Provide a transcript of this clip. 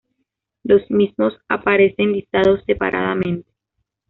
Los mismos aparecen listados separadamente.